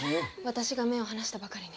私が目を離したばかりに。